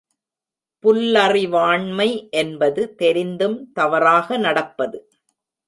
புல்லறிவாண்மை என்பது தெரிந்தும் தவறாக நடப்பது.